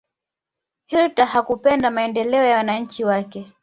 hitler hakupenda maendeleo ya wananchi wake